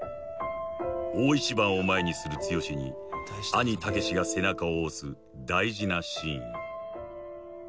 ［大一番を前にする剛に兄猛が背中を押す大事なシーン］